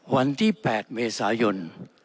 วันที่๘เมษายน